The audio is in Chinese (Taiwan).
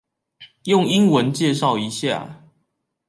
用英文介紹一下